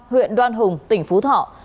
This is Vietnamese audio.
huyện đoan hùng tỉnh phú thọ